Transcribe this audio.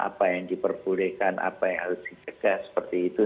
apa yang diperbolehkan apa yang harus dicegah seperti itu